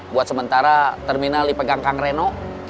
buat sementara terminal dipegang kang reno